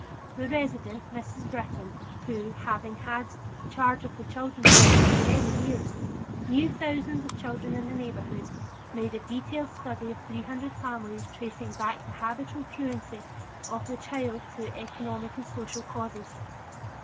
The resident, Mrs. Britton, who, having had charge of our children's clubs for many years, knew thousands of children in the neighborhood, made a detailed study of three hundred families tracing back the habitual truancy of the child to economic and social causes.